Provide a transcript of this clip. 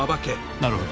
なるほど。